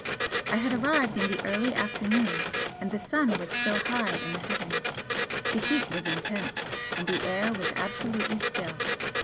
I had arrived in the early afternoon and the sun was still high in the heavens, the heat was intense and the air was absolutely still.